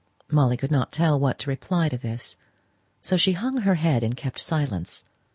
Molly could not tell what to reply to this, so she hung her head and kept silence.